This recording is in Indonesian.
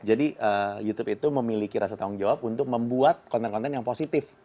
jadi youtube itu memiliki rasa tanggung jawab untuk membuat konten konten yang positif